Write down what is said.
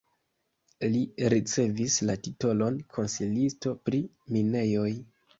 Li ricevis la titolon konsilisto pri minejoj.